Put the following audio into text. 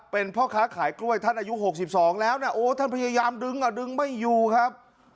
เป็นพ่อค้าขายกล้วยท่านอายุ๖๒แล้วนะโอ้ท่านพยายามดึงอ่ะดึงไม่อยู่ครับ